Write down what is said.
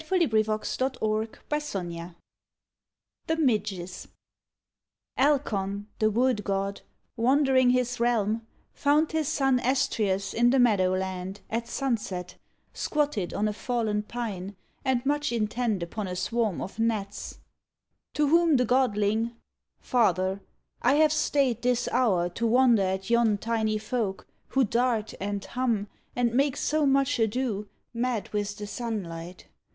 I wake To miserable me I 123 THE MIDGES Alcon, the wood god, wandering his realm, Found his son Astries in the meadowland At sunset, squatted on a fallen pine And much intent upon a swarm of gnats. To whom the godling: "Father, I have stayed This hour to wonder at yon tiny folk. Who dart, and hum, and make so much a do, Mad with the sunlight.